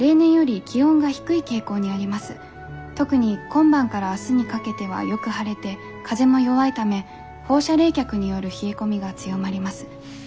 特に今晩から明日にかけてはよく晴れて風も弱いため放射冷却による冷え込みが強まります。